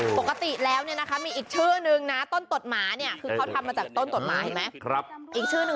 ปกติแล้วมีอีกชื่อหนึ่ง